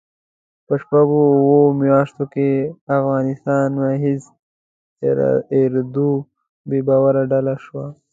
په شپږو اوو میاشتو کې افغانستان مجهز اردو بې باوره ډله شوه.